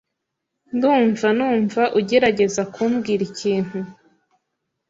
Ndumva numva ugerageza kumbwira ikintu.